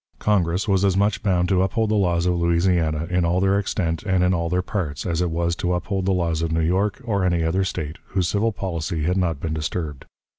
Congress was as much bound to uphold the laws of Louisiana, in all their extent and in all their parts, as it was to uphold the laws of New York, or any other State, whose civil policy had not been disturbed.